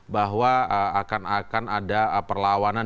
bahwa akan akan ada perlawanan